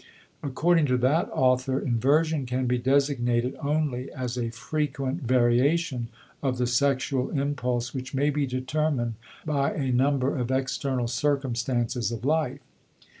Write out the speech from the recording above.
According to that author inversion can be designated only as a frequent variation of the sexual impulse which may be determined by a number of external circumstances of life.